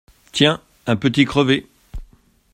Tiens ! un petit crevé !